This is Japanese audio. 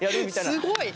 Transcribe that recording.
すごい。